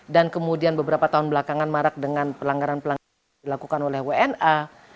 dan kemudian beberapa tahun belakangan marak dengan pelanggaran pelanggaran yang dilakukan oleh wna